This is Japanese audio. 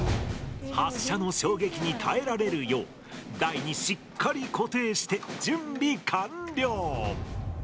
発射の衝撃に耐えられるよう台にしっかり固定して準備完了。